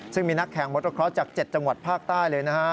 ซึ่งมีนักแข่งมดราเคราะห์จาก๗จังหวัดภาคใต้เลยนะฮะ